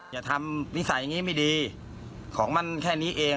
อย่าทำนิสัยอย่างนี้ไม่ดีของมันแค่นี้เอง